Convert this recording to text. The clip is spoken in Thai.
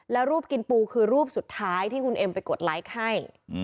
แล้วรูปกินปูคือรูปสุดท้ายที่คุณเอ็มไปกดไลค์ให้